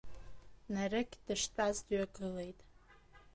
Нарықь дыштәаз дҩагылеит.